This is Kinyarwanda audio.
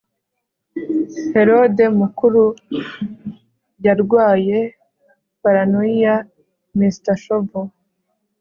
Herode Mukuru yarwaye paranoia MrShoval